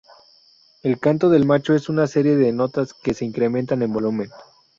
El canto del macho es una serie de notas que se incrementan en volumen.